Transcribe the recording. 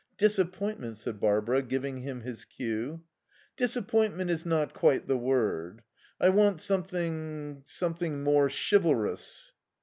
"Disappointment " said Barbara, giving him his cue. "Disappointment is not quite the word. I want something something more chivalrous."